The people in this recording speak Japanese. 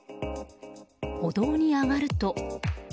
歩道に上がると。